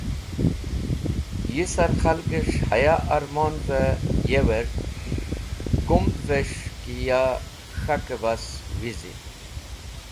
Yi sar khalgẽs̃h haya ẽrmonvẽ yewẽrd kumdvẽs̃h ki ya k̃hakẽ bas wizit.